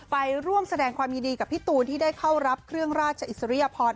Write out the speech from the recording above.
ไปร่วมแสดงความยินดีกับพี่ตูนที่ได้เข้ารับเครื่องราชอิสริยพร